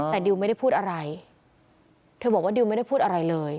แต่ดิวไม่ได้พูดอะไรเธอบอกว่าดิวไม่ได้พูดอะไรเลย